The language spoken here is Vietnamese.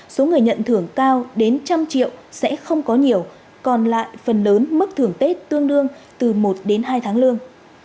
số người nhận thưởng cao đến trăm triệu sẽ không có nhiều còn lại phần lớn mức thưởng tết tương đương từ một đến hai tháng lương